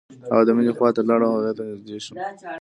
هغه د مينې خواته لاړ او هغې ته نږدې شو.